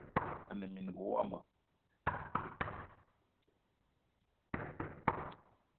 Ane mininga womo